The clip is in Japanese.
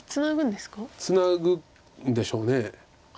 ツナぐんでしょう。